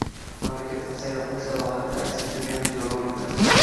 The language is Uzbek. Mamlakatimiz sayyohlik salohiyatini aks ettirgan videoroliklar